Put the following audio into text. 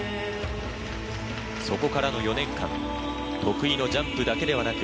そこからの４年間得意のジャンプだけではなく